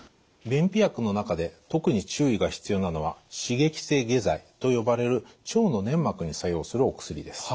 便秘薬の中で特に注意が必要なのは刺激性下剤と呼ばれる腸の粘膜に作用するお薬です。